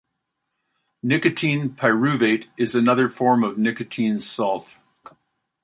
Nicotine pyruvate is another form of nicotine salt.